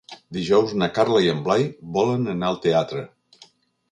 Dijous na Carla i en Blai volen anar al teatre.